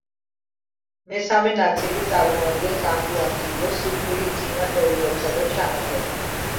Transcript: მესამე ნაწილი წარმოადგენს ანტუან ტიბოს სიკვდილისწინა წერილებსა და ჩანაწერებს.